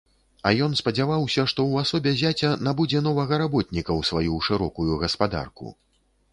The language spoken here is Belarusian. А ён спадзяваўся, што ў асобе зяця набудзе новага работніка ў сваю шырокую гаспадарку.